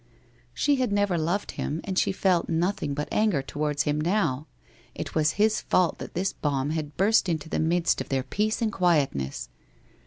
' She had never loved him and she felt nothing but anger towards him now. It was his fault that this bomb had burst into the midst of their peace and quietness.